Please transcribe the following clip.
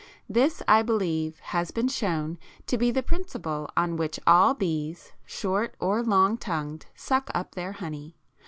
This, I believe, has been shown to be the principle on which all bees, short or long tongued, suck up their honey.